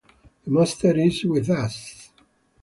The Master is with us!